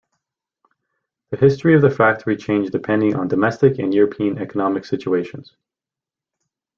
The history of the factory changed depending on domestic and European economic situations.